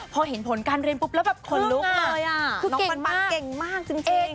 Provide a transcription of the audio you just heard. พอเห็นผลการเรียนปุ๊บแล้วแบบขนลุกเลยอ่ะคือน้องปันเก่งมากจริง